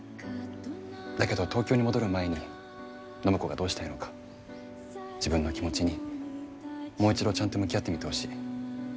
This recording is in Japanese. だけど東京に戻る前に暢子がどうしたいのか自分の気持ちにもう一度ちゃんと向き合ってみてほしい。